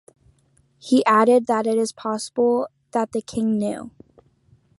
He added that it is possible that the King knew.